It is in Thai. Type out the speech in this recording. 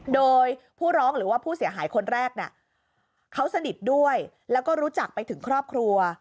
โดยผู้ร้องหรือว่าผู้เสียหายคนแรกเนี่ยเขาสนิทด้วยแล้วก็รู้จักไปถึงครอบครัว